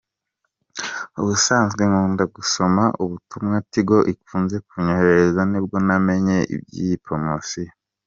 Ubusanzwe nkunda gusoma ubutumwa Tigo ikunze kunyoherereza, nibwo namenye iby’iyi poromosiyo.